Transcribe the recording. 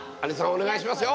お願いしますよ